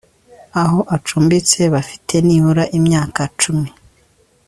aho acumbitse bafite nibura imyaka cumi